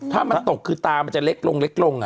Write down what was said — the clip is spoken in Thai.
ถ้ามันตกคือตามันจะเล็กลงเล็กลง